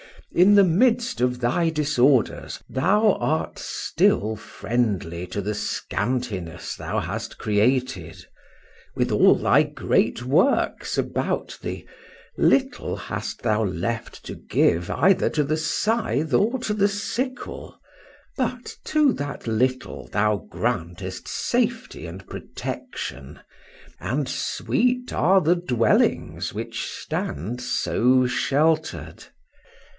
in the midst of thy disorders, thou art still friendly to the scantiness thou hast created: with all thy great works about thee, little hast thou left to give, either to the scythe or to the sickle;—but to that little thou grantest safety and protection; and sweet are the dwellings which stand so shelter'd.